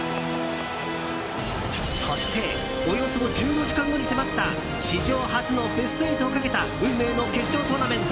そしておよそ１４時間後に迫った史上初のベスト８をかけた運命の決勝トーナメント